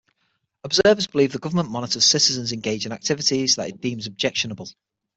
Observers believe the government monitors citizens engaged in activities that it deems objectionable.